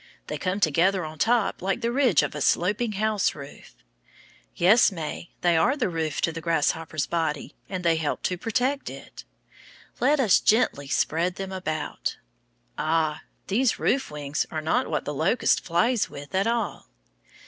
They come together on top like the ridge of a sloping house roof. Yes, May, they are the roof to the grasshopper's body, and they help to protect it. Let us gently spread them out. Ah! these roof wings are not what the locust flies with at all.